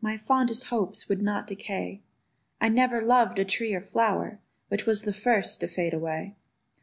My fondest hopes would not decay: I never loved a tree or flower Which was the first to fade away!